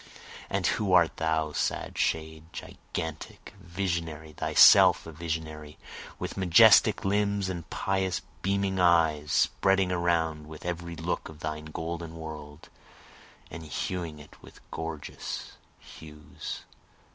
And who art thou sad shade? Gigantic, visionary, thyself a visionary, With majestic limbs and pious beaming eyes, Spreading around with every look of thine a golden world, Enhuing it with gorgeous hues.